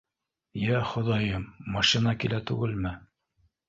Йә, Хоҙайым, машина килә түгелме!